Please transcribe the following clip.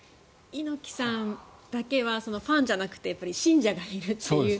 猪木さんだけはファンじゃなくて信者がいるという。